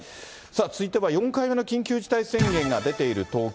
続いては４回目の緊急事態宣言が出ている東京。